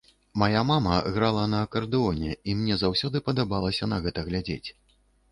Мая мама грала на акардэоне і мне заўсёды падабалася на гэта глядзець.